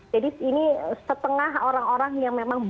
jadi ini setengah orang orang yang memang baru bekerja